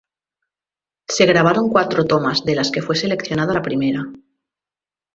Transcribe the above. Se grabaron cuatro tomas, de las que fue seleccionada la primera.